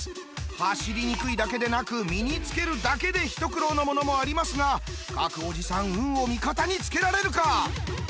走りにくいだけでなく身に着けるだけでひと苦労のものもありますが各おじさん運を味方に付けられるか？